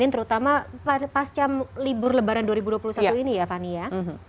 terutama pasca libur lebaran dua ribu dua puluh satu ini ya fani ya